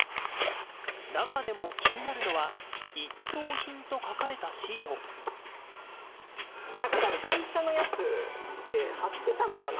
中でも気になるのは、なんかたぶん、会社のやつで貼ってたのかな？